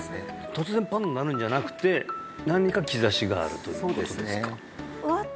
突然パンッとなるんじゃなくて何か兆しがあるということですか？